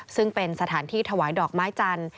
ซึ่งเป็นสถานที่ถวายดอกไม้จันทร์